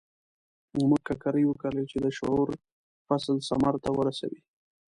موږ ککرې وکرلې چې د شعور فصل ثمر ته ورسوي.